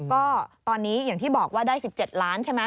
ก็ตอนนี้อย่างที่บอกว่าได้๑๗ล้านใช่ไหม